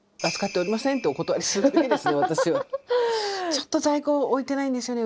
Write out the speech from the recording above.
ちょっと在庫置いてないんですよね